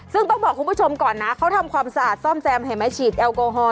ซึ่งต้องบอกคุณผู้ชมก่อนนะเขาทำความสะอาดซ่อมแซมเห็นไหมฉีดแอลกอฮอล